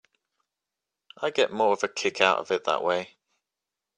I get more of a kick out of it that way.